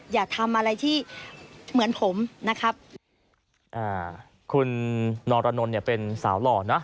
อย่าทำอะไรที่เหมือนผมนะครับอ่าคุณนรนนท์เนี่ยเป็นสาวหล่อนะ